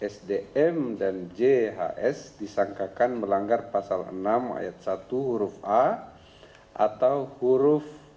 sdm dan jhs disangkakan melanggar pasal enam ayat satu huruf a atau huruf